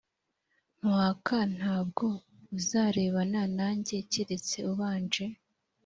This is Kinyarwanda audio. nkwaka ntabwo uzarebana nanjye keretse ubanje